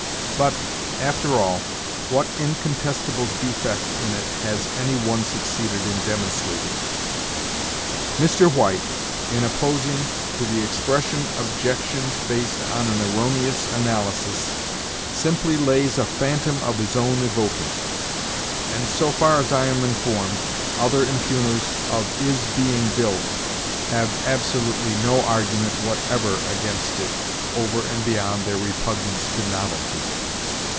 But, after all, what incontestable defect in it has any one succeeded in demonstrating? Mr. White, in opposing to the expression objections based on an erroneous analysis, simply lays a phantom of his own evoking; and, so far as I am informed, other impugners of is being built have, absolutely, no argument whatever against it over and beyond their repugnance to novelty.